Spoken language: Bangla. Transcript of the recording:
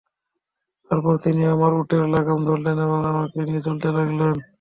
তারপর তিনি আমার উটের লাগাম ধরলেন এবং আমাকে নিয়ে চলতে লাগলেন।